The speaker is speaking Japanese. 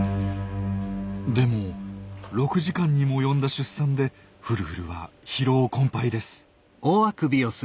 でも６時間にも及んだ出産でフルフルは疲労困憊です。